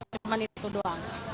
cuma itu doang